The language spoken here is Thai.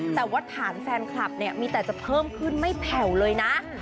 แต่ว่าฐานแฟนคลับเนี่ยมีแต่จะเพิ่มขึ้นไม่แผ่วเลยนะ